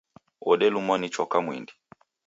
Wodelumwa ni choka mwindi.